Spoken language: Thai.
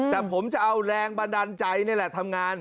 แต่ผมจะเอาแรงบันดาลใจนี่แหละทำงาน